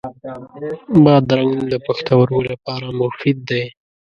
بادرنګ د پښتورګو لپاره مفید دی.